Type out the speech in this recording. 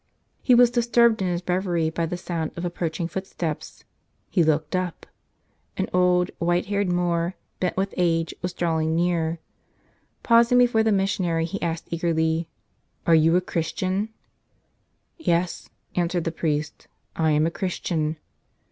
He was disturbed in his reverie by the sound of ap¬ proaching footsteps. He looked up. An old, white haired Moor, bent with age, was drawing near. Paus¬ ing before the missionary, he asked eagerly: "Are you a Christian?" "Yes," answered the priest, "I am a Christian."